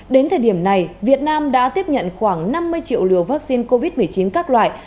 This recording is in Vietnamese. đến thời điểm này việt nam đã tiếp nhận khoảng năm mươi triệu liều vaccine covid một mươi chín các loại